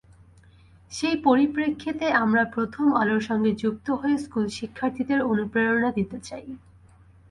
সেই পরিপ্রেক্ষিতে আমরা প্রথম আলোর সঙ্গে যুক্ত হয়ে স্কুলশিক্ষার্থীদের অনুপ্রেরণা দিতে চাই।